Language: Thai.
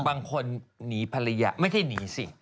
บางคนหนีภรรยาไม่ได้หนีสิ